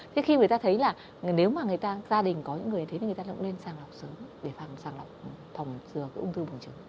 thế khi người ta thấy là nếu mà người ta gia đình có những người như thế thì người ta cũng nên sàng lọc sớm để sàng lọc thòng dừa cái ung thư bùng trứng